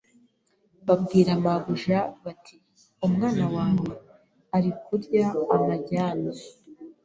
babwira Mabuja bati :" Umwana wawe ari kurya amajyane